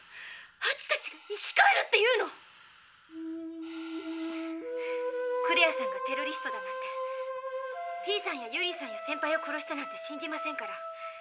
ハチたちが生き返るっていうの⁉クレアさんがテロリストだなんてフィーさんやユーリさんやセンパイを殺したなんて信じませんから。